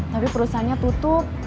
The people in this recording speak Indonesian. tapi perusahaannya tutup